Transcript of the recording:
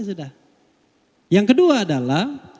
sudah yang kedua adalah